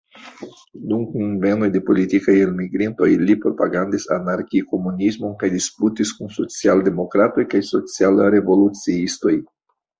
Dum kunvenoj de politikaj elmigrintoj li propagandis anarki-komunismon kaj disputis kun social-demokratoj kaj social-revoluciistoj.